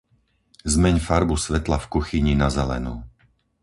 Zmeň farbu svetla v kuchyni na zelenú.